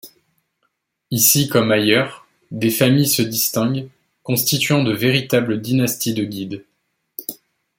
Ici comme ailleurs, des familles se distinguent, constituant de véritables dynasties de guides.